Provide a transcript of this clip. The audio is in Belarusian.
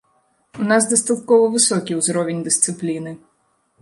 У нас дастаткова высокі ўзровень дысцыпліны.